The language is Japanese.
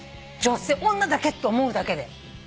女性女だけって思うだけで。